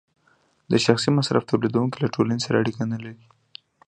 د شخصي مصرف تولیدونکی له ټولنې سره اړیکه نلري